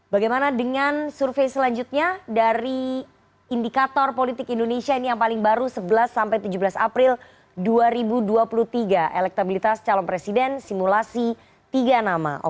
bagaimana dengan survei selanjutnya dari indikator politik indonesia ini yang paling baru sebelas sampai tujuh belas april dua ribu dua puluh tiga elektabilitas calon presiden simulasi tiga nama